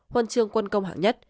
huân chương quân công hạng nhất